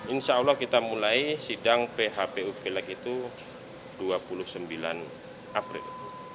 insya allah kita mulai sidang phpu pilek itu dua puluh sembilan april